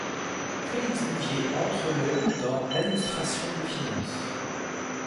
Félix Bouvier entre le dans l'administration des finances.